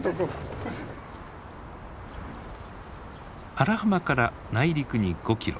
荒浜から内陸に５キロ。